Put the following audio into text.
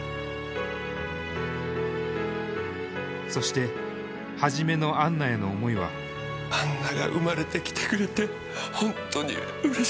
そして始のアンナへの思いはアンナが生まれて来てくれて本当にうれしかった。